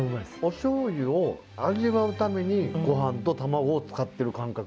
おしょうゆを味わうためにごはんと卵を使ってる感覚。